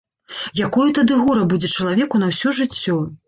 Якое тады гора будзе чалавеку на ўсё жыццё!